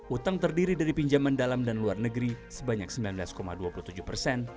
utang terdiri dari pinjaman dalam dan luar negeri sebanyak sembilan belas dua puluh tujuh persen